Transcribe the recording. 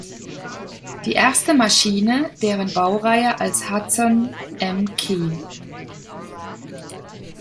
Die erste Maschine, deren Baureihe als Hudson Mk.